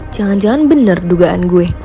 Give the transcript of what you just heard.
jangan jangan benar dugaan gue